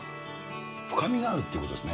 深みがあるってことですね。